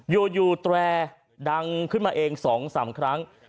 อยู่แตรดังขึ้นมาเอง๒๓ครั้ง